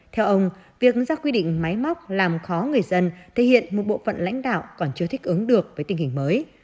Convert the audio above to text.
theo ông việc ra quy định máy móc làm khó người dân thể hiện một bộ phận lãnh đạo còn chưa thích ứng được với tình hình mới